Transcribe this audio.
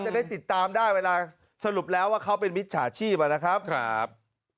จะได้ติดตามได้เวลาสรุปแล้วว่าเขาเป็นมิจฉาชีพนะครับ